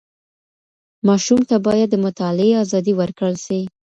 ماسوم ته باید د مطالعې ازادي ورکړل سي.